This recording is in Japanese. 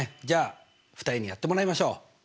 じゃあ２人にやってもらいましょう！